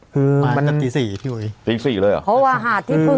คือตี๔พี่โหยเดี๋ยว